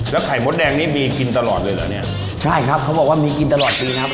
ไข่มดแดงนี่มีกินตลอดเลยเหรอเนี้ยใช่ครับเขาบอกว่ามีกินตลอดปีครับ